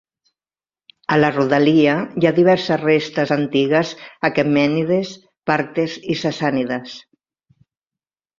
A la rodalia i hi ha diverses restes antigues aquemènides, partes i sassànides.